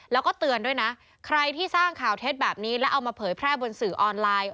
แล้วก็เตือนด้วยนะใครที่สร้างข่าวเท็จแบบนี้แล้วเอามาเผยแพร่บนสื่อออนไลน์